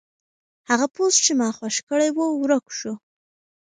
هغه پوسټ چې ما خوښ کړی و ورک شو.